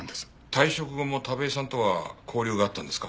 退職後も田部井さんとは交流があったんですか？